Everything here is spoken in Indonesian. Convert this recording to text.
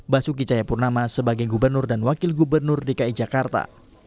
basuki cayapurnama sebagai gubernur dan wakil gubernur dki jakarta